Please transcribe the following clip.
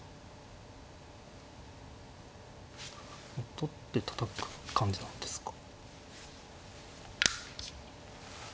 取ってたたく感じなんですか。